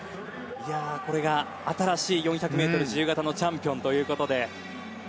これが新しい４００ｍ自由形のチャンピオンということで。